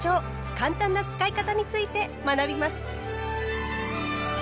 簡単な使い方について学びます。